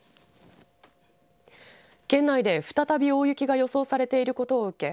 県内で再び大雪が予想されていることを受け